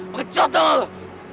mengecut dong lo